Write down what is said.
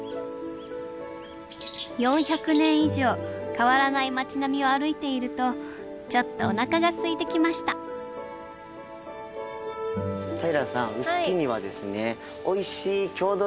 ４００年以上変わらない町並みを歩いているとちょっとおなかがすいてきました平さんおっ。